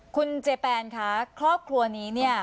คุณเจแปนค่ะครอบครัวนี้